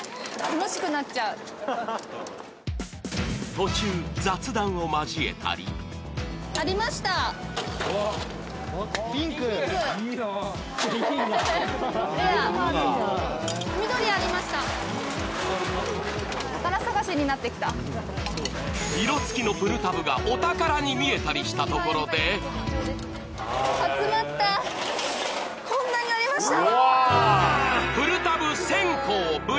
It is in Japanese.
途中、雑談を交えたり色付きのプルタブがお宝に見えたりしたところでこんなになりました。